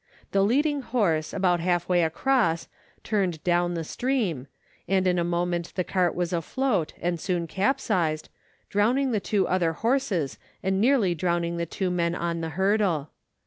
The leading horse, about half way across, turned down the stream, and in a moment the cart was afloat, and soon capsized, drowning the two other horses and nearly drowning the two men on the hurdle.